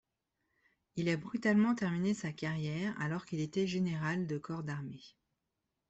Il a brutalement terminé sa carrière alors qu'il était général de corps d'armée.